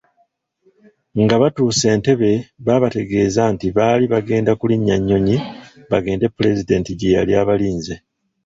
Nga batuuse Entebbe babategeeza nti baali bagenda kulinnya nnyonyi bagende Pulezidenti gye yali abalinze.